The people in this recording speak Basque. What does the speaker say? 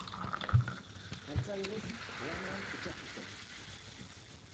Antza denez, lanean kutsatu zen.